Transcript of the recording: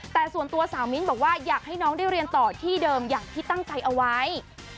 แต่ส่วนตัวสาวมิ้นบอกว่าอยากให้น้องได้เรียนต่อที่เดิมอย่างที่ตั้งใจเอาไว้